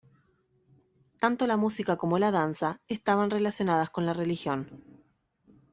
Tanto la música como la danza estaban relacionadas con la religión.